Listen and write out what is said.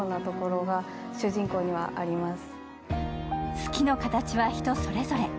好きの形は人それぞれ。